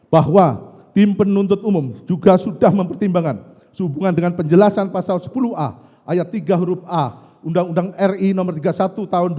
bahwa tim penuntut umum juga sudah mempertimbangkan sehubungan dengan penjelasan pasal sepuluh a ayat tiga huruf a undang undang ri no tiga puluh satu tahun dua ribu